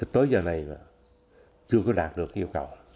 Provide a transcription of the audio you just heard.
tới giờ này là chưa có đạt được yêu cầu